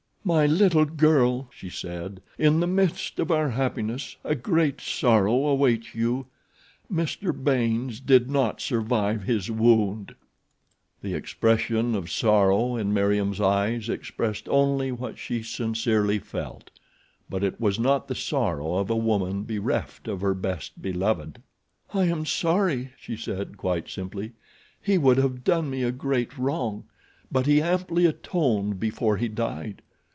"My little girl," she said, "in the midst of our happiness a great sorrow awaits you—Mr. Baynes did not survive his wound." The expression of sorrow in Meriem's eyes expressed only what she sincerely felt; but it was not the sorrow of a woman bereft of her best beloved. "I am sorry," she said, quite simply. "He would have done me a great wrong; but he amply atoned before he died.